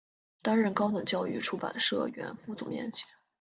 担任高等教育出版社原副总编辑。